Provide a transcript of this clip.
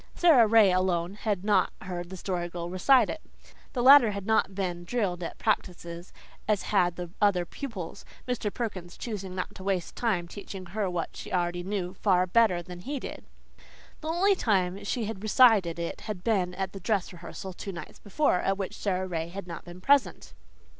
Sara Ray alone had not heard the Story Girl recite it. The latter had not been drilled at practices as had the other pupils, Mr. Perkins choosing not to waste time teaching her what she already knew far better than he did. The only time she had recited it had been at the "dress rehearsal" two nights before, at which Sara Ray had not been present.